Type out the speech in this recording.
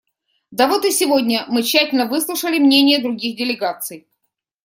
Да вот и сегодня мы тщательно выслушали мнения других делегаций.